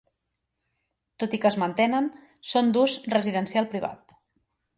Tot i que es mantenen, són d'ús residencial privat.